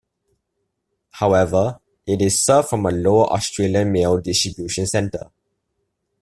However, it is served from a Lower Austrian mail distribution centre.